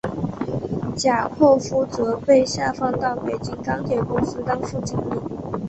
贾拓夫则被下放到北京钢铁公司当副经理。